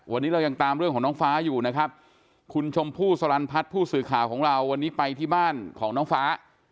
วันนี้เรายังตามเรื่องของน้องฟ้าอยู่นะครับคุณชมพู่สลันพัฒน์ผู้สื่อข่าวของเราวันนี้ไปที่บ้านของน้องฟ้า